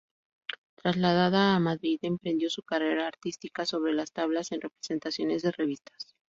Trasladada a Madrid, emprendió su carrera artística sobre las tablas en representaciones de Revista.